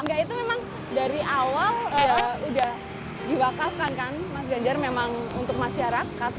enggak itu memang dari awal udah diwakafkan kan mas ganjar memang untuk masyarakat